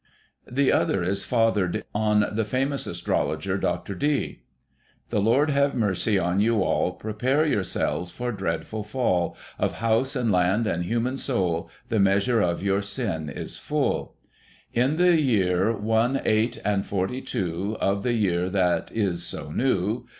[1842 The other is fathered on the famous astrologer, Dr. Dee : "The Lord have mercy on you all, Prepare yourselves for dreadful fall Of house and land and human soul — The measure of your sin is full. In the year One, Eight, and Forty two, Of the year that is so new.